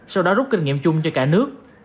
sau đó rút kinh nghiệm chung cho cả nước